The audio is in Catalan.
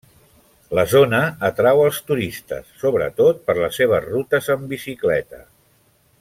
La zona atrau els turistes, sobretot per les seves rutes amb bicicleta.